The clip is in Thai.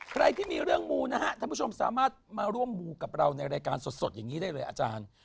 ใครที่มีเรื่องมูนะฮะท่านผู้ชมสามารถมาร่วมมูกับเราในรายการสดอย่างนี้ได้เลยอาจารย์